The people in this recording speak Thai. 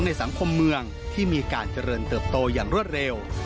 ในสังคมเมืองที่มีการเจริญเติบโตอย่างรวดเร็ว